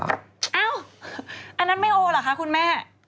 อันนั้นไม่โอเหรอคะคุณแม่